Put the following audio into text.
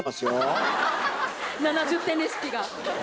７０点レシピが。